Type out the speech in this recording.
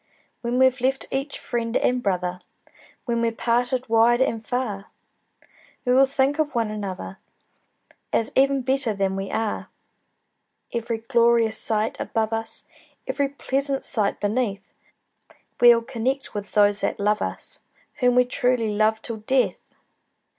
When we've left each friend and brother, When we're parted wide and far, We will think of one another, As even better than we are. Every glorious sight above us, Every pleasant sight beneath, We'll connect with those that love us, Whom we truly love till death!